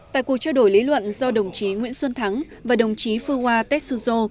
tại cuộc trao đổi lý luận do đồng chí nguyễn xuân thắng và đồng chí phương hoa tết xuân dô